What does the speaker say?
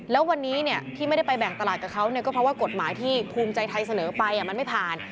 แล้ววันนี้ที่ไม่ได้ไปแบ่งตลาดกับเขาก็เพราะว่ากฎหมายที่ภูมิใจไทยเสนอไปมันไม่ผ่าน